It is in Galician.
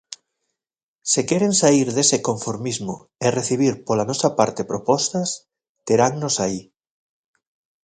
Se queren saír dese conformismo e recibir pola nosa parte propostas, terannos aí.